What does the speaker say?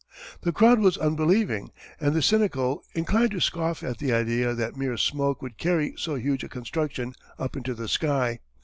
The crowd was unbelieving and cynical, inclined to scoff at the idea that mere smoke would carry so huge a construction up into the sky.